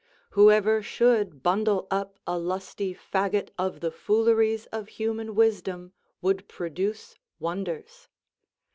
Whoever should bundle up a lusty faggot of the fooleries of human wisdom would produce wonders.